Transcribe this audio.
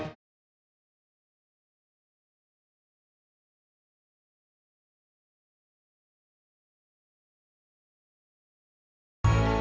tidak ada apa apa